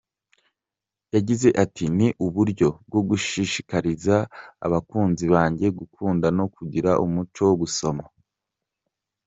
Yagize ati :“Ni uburyo bwo gushishikariza abakunzi banjye gukunda no kugira umuco wo gusoma.